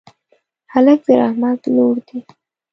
هلک د رحمت لور دی.